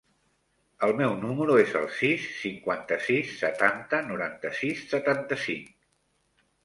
El meu número es el sis, cinquanta-sis, setanta, noranta-sis, setanta-cinc.